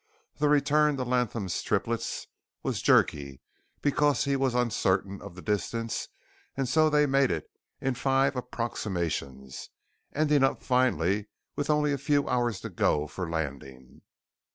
The return to Latham's Triplets was jerky because he was uncertain of the distance and so they made it in five approximations, ending up finally with only a few hours to go for landing.